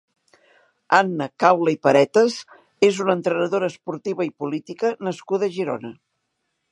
Anna Caula i Paretas és una entrenadora esportiva i política nascuda a Girona.